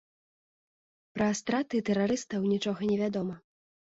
Пра страты тэрарыстаў нічога невядома.